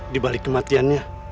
di balik kematiannya